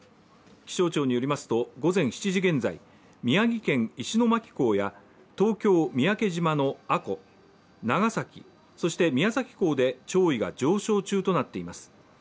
気象庁によりますと午前７時現在、宮城県石巻港や東京・三宅島の阿古、長崎、そして宮崎港で潮位が上昇中となっています。